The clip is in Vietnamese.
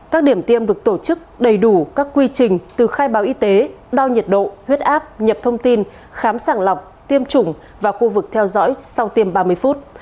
các điểm tiêm được tổ chức đầy đủ các quy trình từ khai báo y tế đo nhiệt độ huyết áp nhập thông tin khám sàng lọc tiêm chủng và khu vực theo dõi sau tiêm ba mươi phút